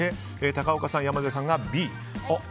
高岡さん、山添さんがＢ。